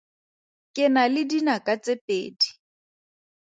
Ke na le dinaka tse pedi.